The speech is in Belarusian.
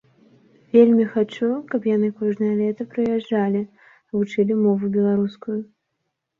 Вельмі хачу, каб яны кожнае лета прыязджалі, вучылі мову беларускую.